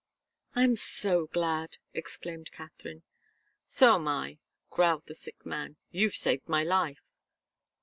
"I'm so glad!" exclaimed Katharine. "So am I," growled the sick man. "You've saved my life."